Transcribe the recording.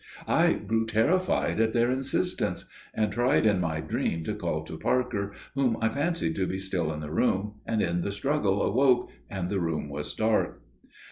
I grew terrified at their insistence, and tried in my dream to call to Parker, whom I fancied to be still in the room, and in the struggle awoke, and the room was dark.